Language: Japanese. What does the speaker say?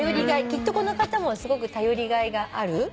きっとこの方もすごく頼りがいがある。